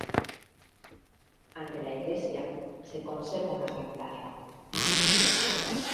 Ante la iglesia, se conserva una gran plaza.